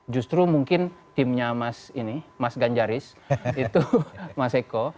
justru mungkin timnya mas ini mas ganjaris itu mas eko